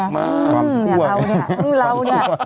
ความทั่วความทั่ว